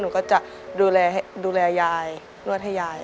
หนูก็จะดูแลยายนวดให้ยาย